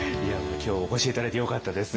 今日はお越し頂いてよかったです。